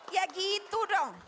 ya gitu dong